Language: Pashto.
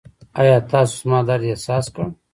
ایا تاسو زما درد احساس کړ؟